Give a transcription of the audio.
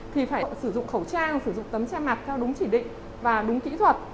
thì phải sử dụng khẩu trang sử dụng tấm che mặt theo đúng chỉ định và đúng kỹ thuật